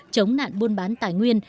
chống nạn buôn bán tài nguyên